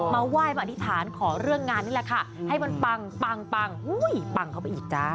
มาไหว้มาอธิษฐานขอเรื่องงานนี่แหละค่ะให้มันปังปังปังเข้าไปอีกจ้า